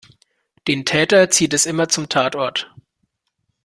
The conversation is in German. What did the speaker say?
Den Täter zieht es immer zum Tatort.